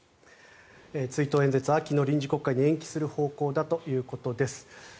追悼演説は秋の臨時国会へ延期する方向だということです。